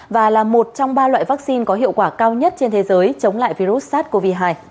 và là một trong ba loại vaccine có hiệu quả cao nhất trên thế giới chống lại virus sars cov hai